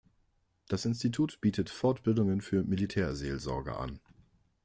Das Institut bietet Fortbildungen für Militärseelsorger an.